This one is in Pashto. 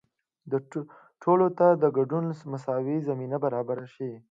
ټولو ته د ګډون مساوي زمینه برابره شي.